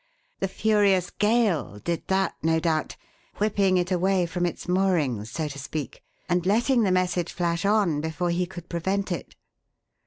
The furious gale did that, no doubt, whipping it away from its moorings, so to speak, and letting the message flash on before he could prevent it.